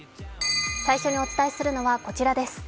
最初にお伝えするのは、こちらです